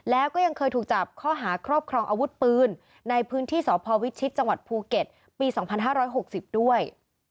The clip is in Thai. แล้วก็ยังเคยถูกจับข้อหาครอบครองอาวุธปืนในพื้นที่สพวิชิตจังหวัดภูเก็ตปี๒๕๖๐ด้วย